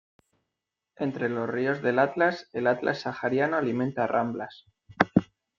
Entre los ríos del Atlas, el Atlas sahariano alimenta ramblas.